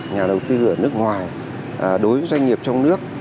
nhà đầu tư ở nước ngoài đối với doanh nghiệp trong nước